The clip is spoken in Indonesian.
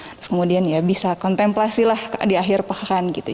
terus kemudian ya bisa kontemplasi lah di akhir pekan gitu